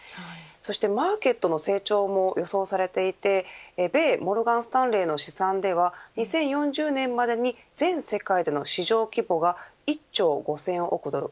そしてマーケットの成長も予想されていて米モルガン・スタンレーの試算では２０４０年までに全世界での市場規模が１兆５０００億ドル